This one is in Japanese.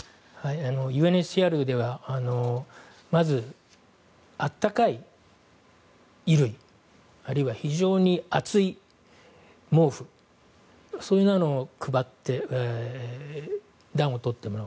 ＵＮＨＣＲではまず暖かい衣類あるいは非常に厚い毛布それらを配って暖をとってもらう。